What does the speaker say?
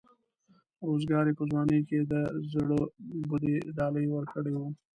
روزګار یې په ځوانۍ کې د زړبودۍ ډالۍ ورکړې وه.